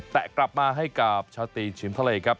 แต่กลับมาให้กับชาวตีชิมทะเลครับ